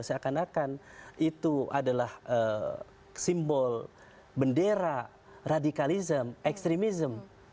seakan akan itu adalah simbol bendera radikalisme ekstremism